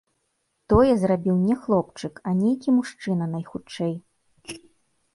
Тое зрабіў не хлопчык, а нейкі мужчына, найхутчэй.